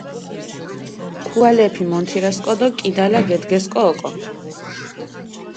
ქუალეფი მონთირესკო დო კიდალა გედგესკო ოკო.